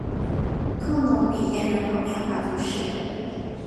科隆比耶人口变化图示